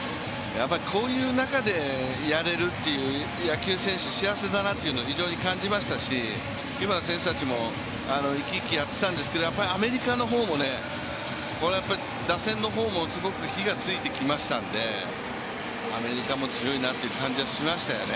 こういう中でやれるっていう野球選手幸せだなって非常に感じましたしキューバの選手たちも生き生きやってたんですけどアメリカの方も打線の方も火がついてきましたのでアメリカも強いなという感じがしましたよね。